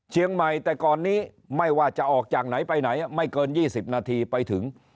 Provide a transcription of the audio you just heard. เชียงใหม่แต่ก่อนนี้ไม่ว่าจะออกจากไหนไปไหนไม่เกิน๒๐นาทีไปถึง